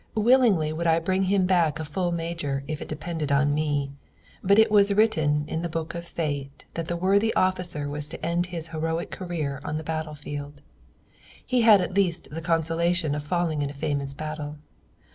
Willingly would I bring him back a full major if it depended on me; but it was written in the book of fate that the worthy officer was to end his heroic career on the battle field. He had at least the consolation of falling in a famous battle.